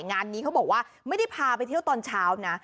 งานนี้เขาบอกว่าไม่ได้พาไปเที่ยวตอนเช้านะ